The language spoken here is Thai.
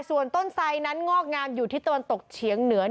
ส่วนต้นไซดนั้นงอกงามอยู่ที่ตะวันตกเฉียงเหนือ